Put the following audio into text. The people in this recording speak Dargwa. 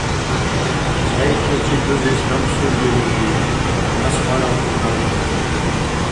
— Зягӏиптачил рузес рамсурли рурги? — масхара бурра нуни.